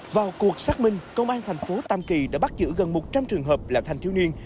vào cuộc xác minh công an thành phố tam kỳ đã bắt giữ gần một trăm linh trường hợp là thanh thiếu niên